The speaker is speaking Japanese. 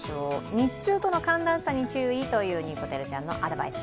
日中との寒暖差に注意というにこてるちゃんのアドバイス。